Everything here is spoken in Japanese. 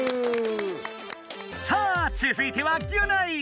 さあつづいてはギュナイ！